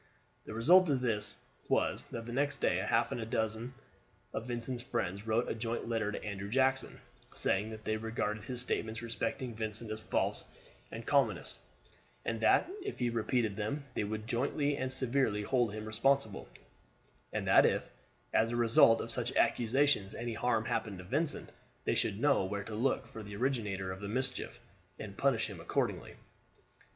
The result of this was that the next day half a dozen of Vincent's friends wrote a joint letter to Andrew Jackson, saying that they regarded his statements respecting Vincent as false and calumnious, and that if he repeated them they would jointly and severally hold him responsible; and that if, as a result of such accusations, any harm happened to Vincent, they should know where to look for the originator of the mischief, and punish him accordingly.